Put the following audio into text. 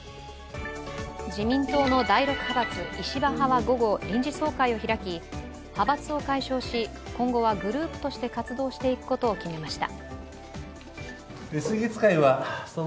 自民党の第６派閥、石破派は午後、臨時総会を開き派閥を解消し、今後はグループとして活動していくことを決めました。